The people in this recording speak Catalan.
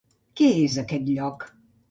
Què és aquest lloc?